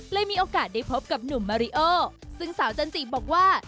มีโอกาสได้พบกับหนุ่มมาริโอซึ่งสาวจันจิบอกว่า